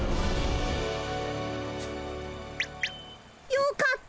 よかった！